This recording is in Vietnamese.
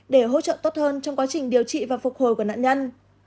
để hỗ trợ tốt hơn trong quá trình điều trị và phục hồi của nạn nhân